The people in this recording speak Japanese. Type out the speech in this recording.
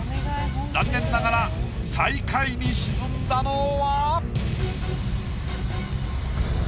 残念ながら最下位に沈んだのは？